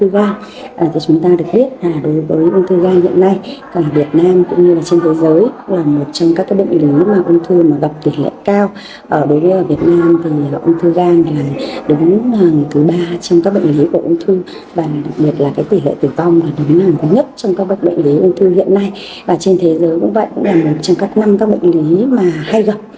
và trên thế giới cũng vậy cũng là một trong các năm các bệnh lý hay gặp